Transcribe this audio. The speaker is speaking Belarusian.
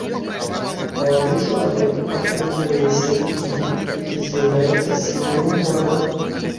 Малады чалавек падтрымлівае сябе кіем, які з'яўляецца сімвалам горада.